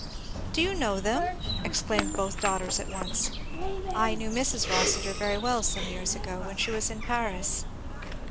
"Do you know them!" exclaimed both the daughters at once. "I knew Mrs. Rossitur very well some years ago, when she was in Paris."